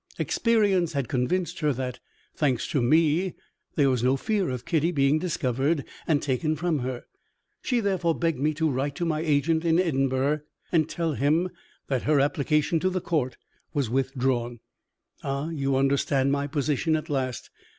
Experience had convinced her that (thanks to me) there was no fear of Kitty being discovered and taken from her. She therefore begged me to write to my agent in Edinburgh, and tell him that her application to the court was withdrawn.' Ah, you understand my position at last.